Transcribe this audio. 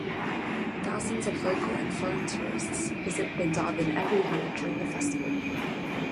Thousands of local and foreign tourists visit Bandarban every year during the festival.